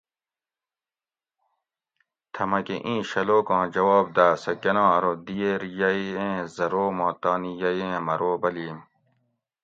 تھہۤ مکۤہ اِیں شلوک آں جواب داۤ سہۤ کۤنا ارو دییٔر یئ ایں زرو ما تانی یئ ایں مرو بلیم